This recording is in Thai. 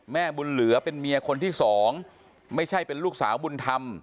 แม่บุญเหลือเป็นเมียคนที่สองไม่ใช่เป็นลูกสาวบุญธรรม